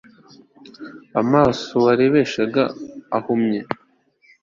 amaso warebeshaga ahume